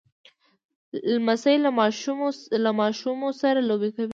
لمسی له ماشومو سره لوبې کوي.